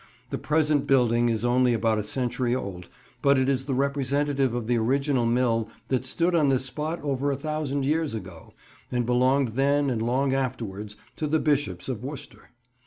The present building is only about a century old, but it is the representative of the original mill that stood on this spot over a thousand years ago, and belonged then and long afterwards to the Bishops of Worcester.